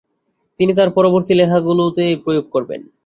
তিনি তাঁর পরবর্তী লেখাগুলোতে প্রয়োগ করবেন।